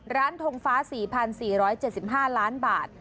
ทงฟ้า๔๔๗๕ล้านบาท